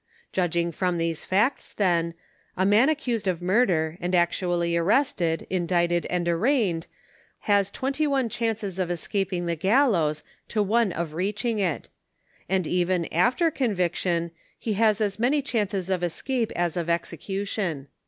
Judging from these facts, then, a man accused of murder, and actually arrested, indicted and arraigned, has twenty one chances of escaping ^e gallows, to one of reaching it ; and even after con viction^ has as many chances of escape as of execution.